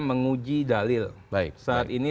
menguji dalil baik saat ini